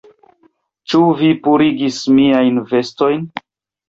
Ĉu vi purigis miajn vestojn?